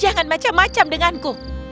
jangan macam macam denganku